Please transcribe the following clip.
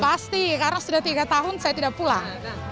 pasti karena sudah tiga tahun saya tidak pulang